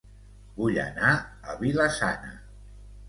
Vull anar a Vila-sana